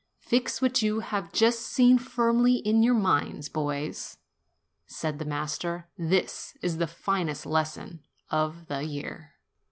"Fix what you have just seen firmly in your minds, boys," said the master; "this is the finest lesson of the year."